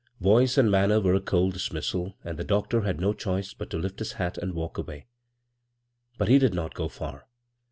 Voice and manner were a cold dismissal, and the doctor had no choice but to lift his hat and walk away ; but he did not go far.